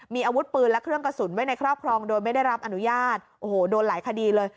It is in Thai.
มีอาวุธปืนและเครื่องกระสุนไว้ในครอบครองโดยไม่ได้รับอนุญาตโอ้โหโดนหลายคดีเลย